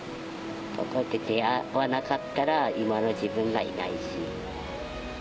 こうやって出会わなかったら今の自分がいないし。